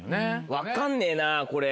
分かんねえなこれ。